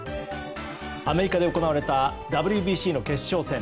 アメリカで行われたＷＢＣの決勝戦。